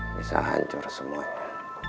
bisa hancur semuanya